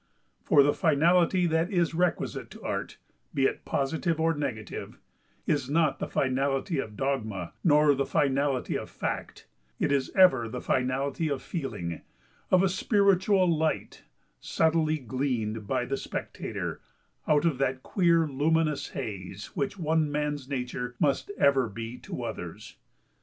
For the finality that is requisite to Art, be it positive or negative, is not the finality of dogma, nor the finality of fact, it is ever the finality of feeling—of a spiritual light, subtly gleaned by the spectator out of that queer luminous haze which one man's nature must ever be to others.